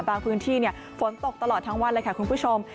พื้นที่ฝนตกตลอดทั้งวันเลยค่ะคุณผู้ชม